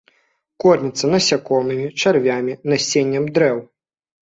Корміцца насякомымі, чарвямі, насеннем дрэў.